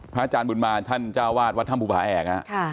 พระอาจารย์บุรุมางท่านจ้าวาทวัดธท่านบุคบาแออก